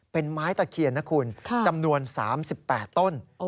เป็นไม้ตะเคียนนะคุณจำนวน๓๘ต้น